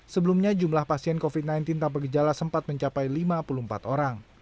sebelumnya jumlah pasien covid sembilan belas tanpa gejala sempat mencapai lima puluh empat orang